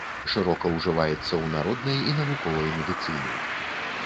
Шырока ўжываецца ў народнай і навуковай медыцыне.